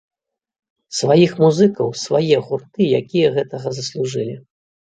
Сваіх музыкаў, свае гурты, якія гэтага заслужылі!